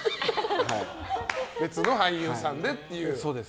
別の俳優さんでっていう。